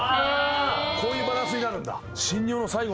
こういうバランスになるんだ。